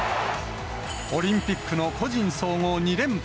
オリンピックの個人総合２連覇。